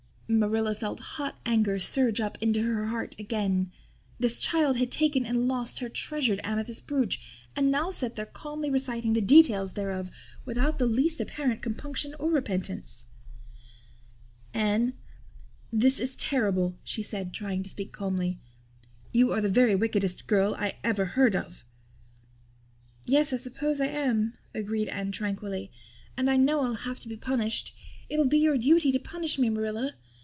Marilla felt hot anger surge up into her heart again. This child had taken and lost her treasured amethyst brooch and now sat there calmly reciting the details thereof without the least apparent compunction or repentance. "Anne, this is terrible," she said, trying to speak calmly. "You are the very wickedest girl I ever heard of." "Yes, I suppose I am," agreed Anne tranquilly. "And I know I'll have to be punished. It'll be your duty to punish me, Marilla.